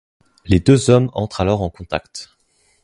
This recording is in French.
Les deux hommes entrent alors en contact.